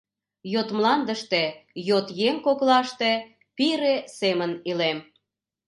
Йот мландыште, йот еҥ коклаште пире семын илем!